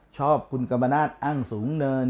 ชอบคุณกรรมนาศอ้างสูงเนิน